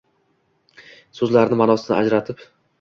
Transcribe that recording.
So‘zlarni ma’nosidan ajratib